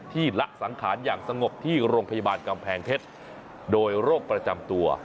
ละสังขารอย่างสงบที่โรงพยาบาลกำแพงเพชรโดยโรคประจำตัว